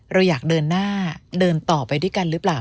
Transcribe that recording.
เราอยากเดินหน้าเดินต่อไปด้วยกันหรือเปล่า